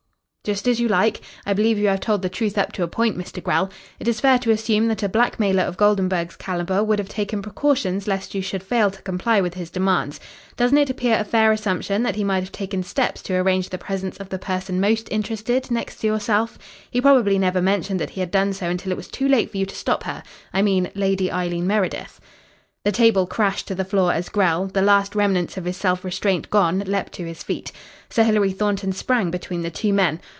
"Just as you like. I believe you have told the truth up to a point, Mr. Grell. It is fair to assume that a blackmailer of Goldenburg's calibre would have taken precautions lest you should fail to comply with his demands. Doesn't it appear a fair assumption that he might have taken steps to arrange the presence of the person most interested, next to yourself? He probably never mentioned that he had done so until it was too late for you to stop her. I mean Lady Eileen Meredith." The table crashed to the floor as Grell, the last remnants of his self restraint gone, leapt to his feet. Sir Hilary Thornton sprang between the two men.